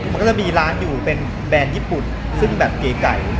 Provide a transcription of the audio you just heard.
มันก็จะมีร้านอยู่เป็นแบรนด์ญี่ปุ่นซึ่งแบบเก๋ไก่